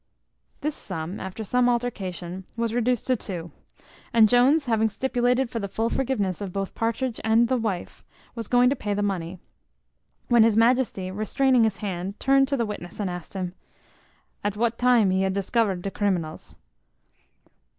This sum, after some altercation, was reduced to two; and Jones, having stipulated for the full forgiveness of both Partridge and the wife, was going to pay the money; when his majesty, restraining his hand, turned to the witness and asked him, "At what time he had discovered the criminals?"